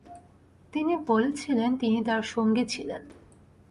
তিনি বলেছিলেন, "তিনি তাঁর সঙ্গী ছিলেন"।